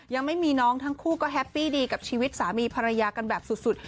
ยังไม่มีน้องทั้งคู่ก็แฮปปี้ดีกับชีวิตสามีภรรยากันแบบสุด